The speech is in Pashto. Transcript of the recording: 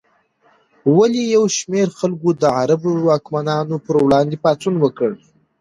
ولې یو شمېر خلکو د عربو واکمنانو پر وړاندې پاڅون وکړ؟